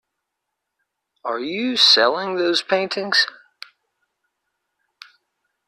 Are you selling those paintings?